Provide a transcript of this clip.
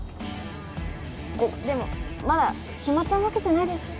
えっでもまだ決まったわけじゃないですよ。